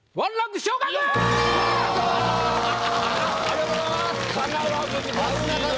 ありがとうございます。